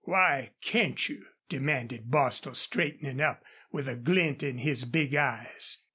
"Why can't you?" demanded Bostil, straightening up with a glint in his big eyes.